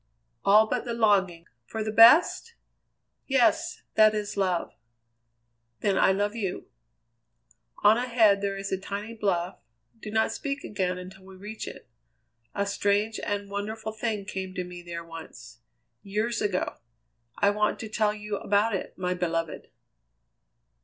"All but the longing for the best?" "Yes. That is love." "Then, I love you." "On ahead there is a tiny bluff, do not speak again until we reach it. A strange and wonderful thing came to me there once years ago. I want to tell you about it, my beloved!"